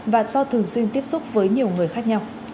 và do thường xuyên tiếp xúc với nhiều người khác nhau